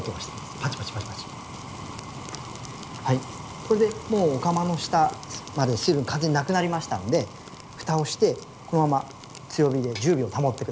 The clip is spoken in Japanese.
これでもうお釜の下まで水分完全になくなりましたので蓋をしてこのまま強火で１０秒保ってください。